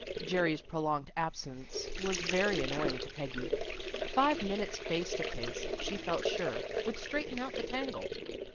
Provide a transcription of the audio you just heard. Jerry's prolonged absence was very annoying to Peggy. Five minutes face to face, she felt sure, would straighten out the tangle.